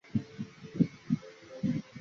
宣统二年工科进士。